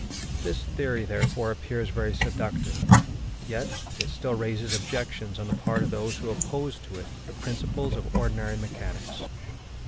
This theory, therefore, appears very seductive, yet it still raises objections on the part of those who oppose to it the principles of ordinary mechanics.